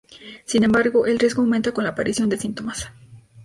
Sin embargo el riesgo aumenta con la aparición de síntomas.